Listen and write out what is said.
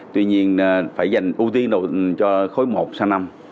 tuy nhiên phải dành ưu tiên cho khối một sang năm